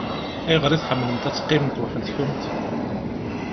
Ayɣer i tḥemmlemt ad teqqimemt weḥd-nkent?